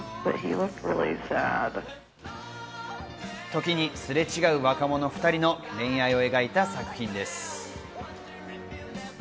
時にすれ違う若者２人の恋愛を描いた作品です。